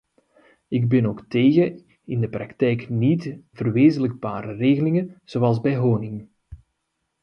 Ik ben ook tegen in de praktijk niet verwezenlijkbare regelingen zoals bij honing.